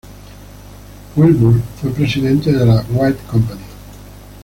Wilbur fue presidente de la Wright Company.